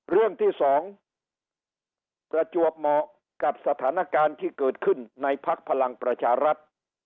เรื่องที่๒ประจวบเหมาะกับสถานการณ์ที่เกิดขึ้นในภักดิ์พลังประชารัฐ